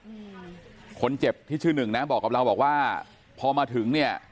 อืมคนเจ็บที่ชื่อหนึ่งนะบอกกับเราบอกว่าพอมาถึงเนี้ย